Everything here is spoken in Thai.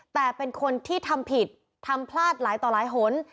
แต่เป็นคนที่ทำผิดทำพลาดหลายต่อหลายหน